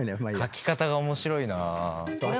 書き方が面白いな。